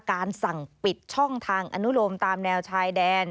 การสั่งปิดช่องทางอนุโลมตามแนวชายแดน